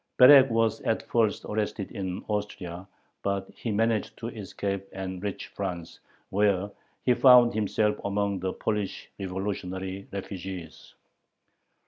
Berek was at first arrested in Austria, but he managed to escape and reach France, where he found himself among the Polish revolutionary refugees.